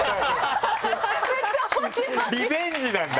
リベンジなんだ